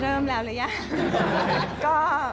เริ่มแล้วหรือยัง